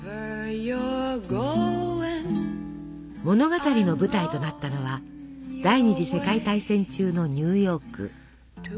物語の舞台となったのは第２次世界大戦中のニューヨーク。